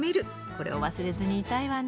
これを忘れずにいたいわね。